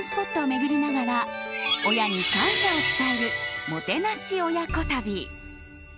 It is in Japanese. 巡りながら親に感謝を伝えるもてなし親子旅。